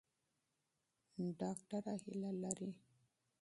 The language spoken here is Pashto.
ډاکټره هیله لري.